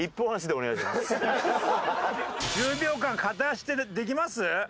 １０秒間片足ってできます？